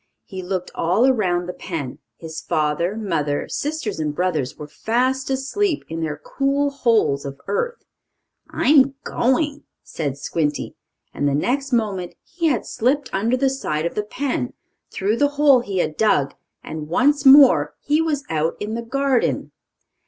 He looked all around the pen. His father, mother, sisters and brothers were fast asleep in their cool holes of earth. "I'm going!" said Squinty, and the next moment he had slipped under the side of the pen, through the hole he had dug, and once more he was out in the garden.